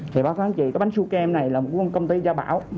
thì bác sĩ cái bánh su chem này là một công ty gia bảo